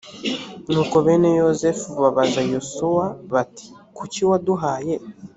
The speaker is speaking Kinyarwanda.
nuko bene yozefu babaza yosuwa bati kuki waduhaye